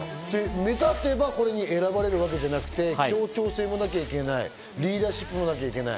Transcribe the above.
目立てばこれに選ばれるわけじゃなくて、協調性もなきゃいけない、リーダーシップもなきゃいけない。